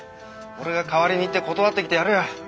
俺が代わりに行って断ってきてやるよ。